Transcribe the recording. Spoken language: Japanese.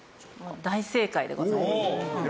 大正解でございます。